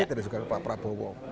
tidak juga kepada pak prabowo